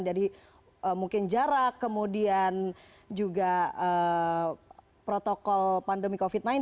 jadi mungkin jarak kemudian juga protokol pandemi covid sembilan belas